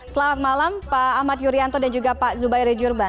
selamat malam pak ahmad yuryanto dan juga pak zubairi jurban